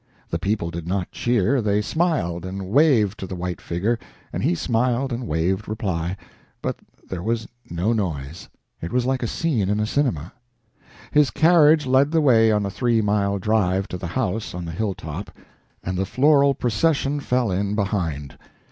The people did not cheer they smiled and waved to the white figure, and he smiled and waved reply, but there was no noise. It was like a scene in a cinema. His carriage led the way on the three mile drive to the house on the hilltop, and the floral procession fell in behind.